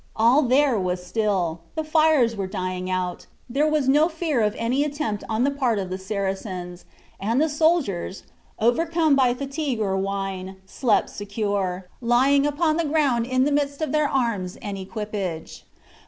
All there was still; the fires were dying out; there was no fear of any attempt on the part of the Saracens, and the soldiers, overcome by fatigue or wine, slept secure, lying upon the ground in the midst of their arms and equipage.